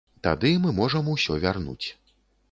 Тады мы можам усё вярнуць.